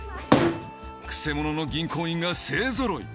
くせ者の銀行員が勢ぞろい。